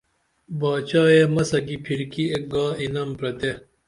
باچائے مسہ کی پھرکی ایک گا اِنعم پرتے